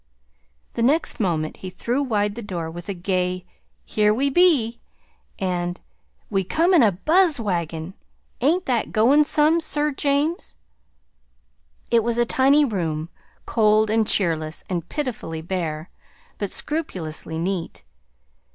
The next moment he threw wide the door with a gay: "Here we be an' we come in a buzz wagon! Ain't that goin' some, Sir James?" It was a tiny room, cold and cheerless and pitifully bare, but scrupulously neat.